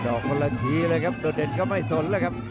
อกคนละทีเลยครับโดดเด่นก็ไม่สนแล้วครับ